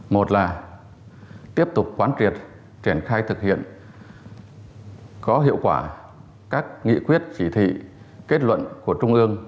một là tiếp tục quán triệt triển khai thực hiện có hiệu quả các nghị quyết chỉ thị kết luận của trung ương